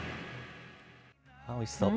おいしそう。